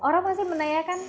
orang masih menanyakan